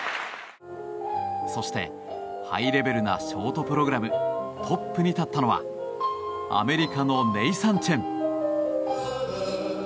そして、ハイレベルなショートプログラムトップに立ったのはアメリカのネイサン・チェン。